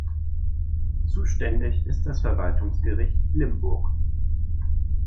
Zuständig ist das Verwaltungsgericht Limburg.